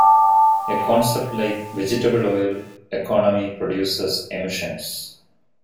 A concept like vegetable oil economy produces emissions.